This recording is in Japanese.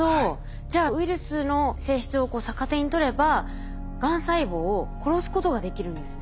じゃあウイルスの性質を逆手に取ればがん細胞を殺すことができるんですね。